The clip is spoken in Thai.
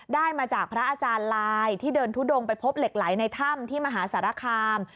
ได้มาจากพระอาจารย์ลายที่เดินทุดงไปพบเหล็กไหลในถ้ำที่มหาสารคาม